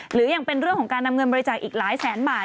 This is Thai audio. หรือยังเป็นเรื่องของการนำเงินบริจาคอีกหลายแสนบาท